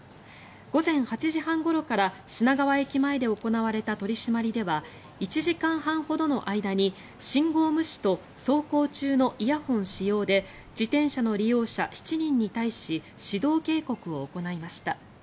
午前８時半ごろから品川駅前で行われた取り締まりでは１時間半ほどの間に信号無視と走行中のイヤホン使用で自転車の利用者７人に対し指導警告を行いました。